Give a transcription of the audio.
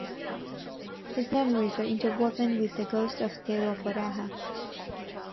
His memories are interwoven with the ghost of Te Rauparaha.